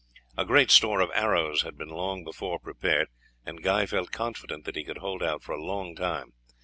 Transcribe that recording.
A great store of arrows had been long before prepared, and Guy felt confident that he could hold out for a long time.